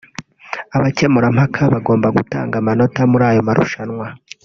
Abakemurampaka bagombaga gutanga amanota muri ayo marushanwa